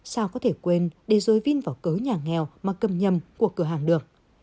sao có thể quên để dối viên vào cớ nhà nghèo mà cầm nhầm của cửa hàng được